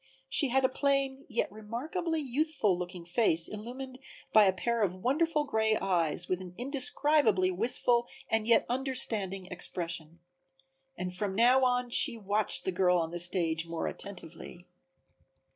She had a plain, yet remarkably youthful looking face illumined by a pair of wonderful gray eyes with an indescribably wistful and yet understanding expression. And from now on she watched the girl on the stage more attentively.